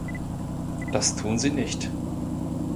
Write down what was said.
Das tun sie nicht.